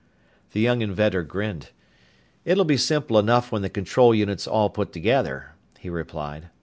The young inventor grinned. "It'll be simple enough when the control unit's all put together," he replied.